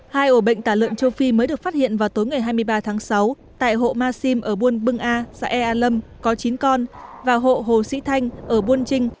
hai ổ bệnh tả lợn châu phi mới được phát hiện vào tối ngày hai mươi ba tháng sáu tại hộ ma sim ở buôn bưng a xã e a lâm có chín con và hộ hồ sĩ thanh ở buôn trinh